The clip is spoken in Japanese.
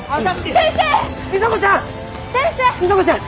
里紗子ちゃん！